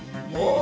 お！